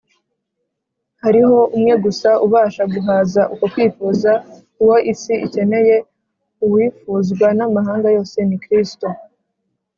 . Hariho Umwe gusa ubasha guhaza uko kwifuza. Uwo isi ikeneye, ” Uwifuzwa n’amahanga yose,” ni Kristo